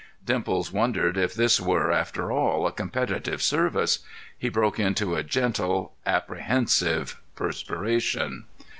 Dimples wondered if this were, after all, a competitive service. He broke into a gentle, apprehensive perspiration.